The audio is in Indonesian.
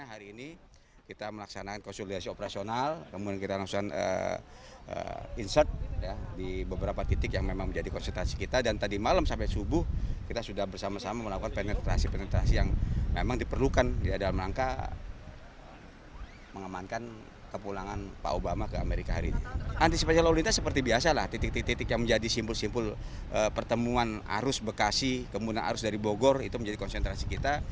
antisipasial lalu lintas seperti biasa lah titik titik yang menjadi simpul simpul pertemuan arus bekasi kemudian arus dari bogor itu menjadi konsentrasi kita